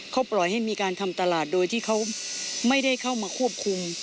เขาปล่อยให้มีการทำตลาดโดยที่เขาไม่ได้เข้ามาควบคุม